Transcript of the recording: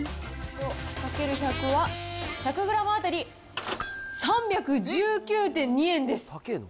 かける１００は１００グラム当たり３１９．２円です。